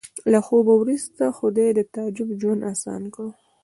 له خوب وروسته خدای د تعجب ژوند اسان کړ